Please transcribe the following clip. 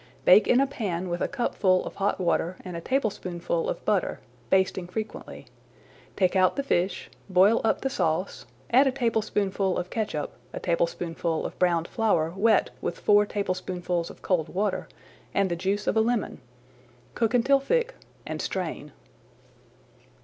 Bake in a pan with a cupful of hot water and a tablespoonful of butter, basting frequently. Take out the fish, boil up the sauce, add a tablespoonful of catsup, a tablespoonful of browned flour wet with four tablespoonfuls of cold water, and the juice of a lemon. Cook until thick, and strain.